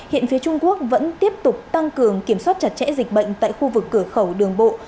hiện phía trung quốc vẫn tiếp tục tăng cường kiểm soát chặt chẽ dịch bệnh tại khu vực cửa khẩu đường bộ